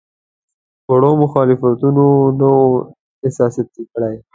وړو مخالفتونو نه وو احساساتي کړی.